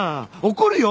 怒るよ！